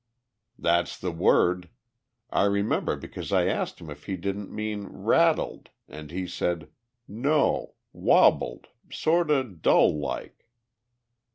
"That's the word. I remember because I asked him if he didn't mean 'rattled,' and he said, 'No, wabbled, sort o' dull like.'"